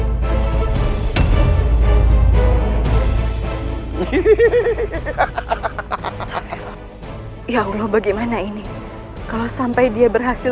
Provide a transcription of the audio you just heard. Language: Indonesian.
hehehe hehehe hehehe hehehe hehehe ya allah bagaimana ini kalau sampai dia berhasil